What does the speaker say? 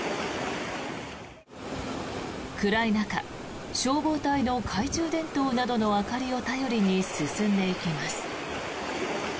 暗い中、消防隊の懐中電灯などの明かりを頼りに進んでいきます。